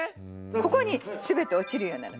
ここに全て落ちるようになる。